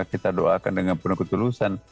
kita doakan dengan penuh ketulusan